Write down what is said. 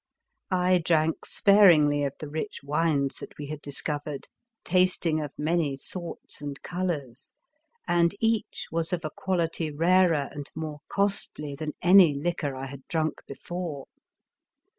I drank sparingly of the rich wines that we had discovered, tasting of many sorts and colours; and each was of a quality rarer and more costly than any liquor 36 The Fearsome Island I had drunk before.